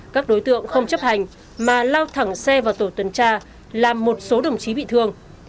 các đối tượng không chấp hành mà lao thẳng xe vào tổ tuần tra làm một số đồng chí bị thương